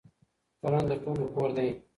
ټولنه د ټولو کور دی.